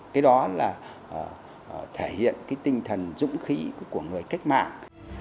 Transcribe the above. cái đó là thể hiện cái tinh thần dũng khí của người cách mạng